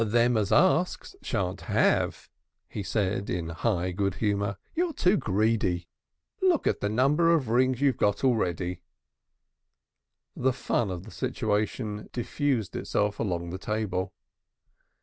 "Them as asks shan't have," he said, in high good humor. "You're too greedy. Look at the number of rings you've got already." The fun of the situation diffused itself along the table.